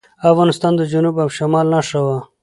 افغانستان د جنوب او شمال نښته وه.